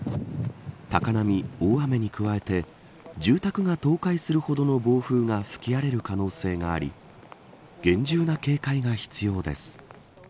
高波、大雨に加えて住宅が倒壊するほどの暴風が吹き荒れる可能性があり厳重な警戒が必要です。